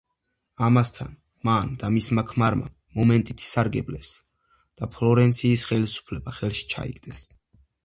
ამასთან მან და მისმა ქმარმა მომენტით ისარგებლეს და ფლორენციის ხელისუფლება ხელში ჩაიგდეს.